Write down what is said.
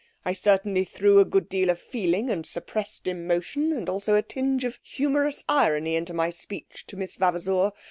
I certainly threw a good deal of feeling and suppressed emotion, and also a tinge of humorous irony into my speech to Miss Vavasour.